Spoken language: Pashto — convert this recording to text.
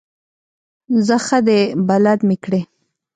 ځه ښه دی بلد مې کړې.